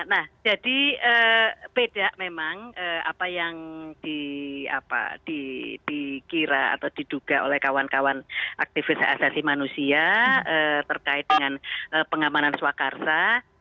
nah jadi beda memang apa yang dikira atau diduga oleh kawan kawan aktivis asasi manusia terkait dengan pengamanan swakarsa